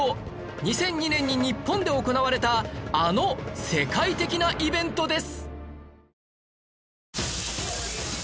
２００２年に日本で行われたあの世界的なイベントです